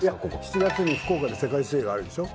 ７月に福岡で世界水泳があるでしょ？